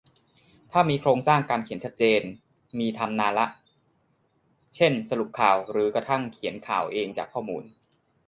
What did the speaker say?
ถ้ามีโครงสร้างการเขียนชัดเจนมีทำนานละ เช่น สรุปข่าว หรือกระทั่งเขียนข่าวเองจากข้อมูล